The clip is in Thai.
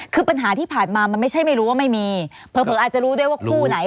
คือปัญหาที่ผ่านมามันไม่ใช่ไม่รู้ว่าไม่มีเผลออาจจะรู้ได้ว่าคู่ไหน